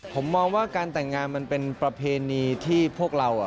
ผมมองว่าการแต่งงานมันเป็นประเพณีที่พวกเรา